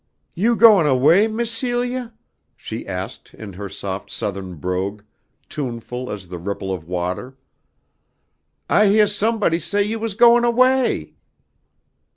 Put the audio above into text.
"You goin' away, Miss Celia?" she asked in her soft Southern brogue, tuneful as the ripple of water. "I heah sumbody say you was goin' away."